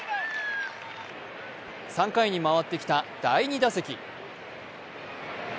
３回に回ってきた第２打席。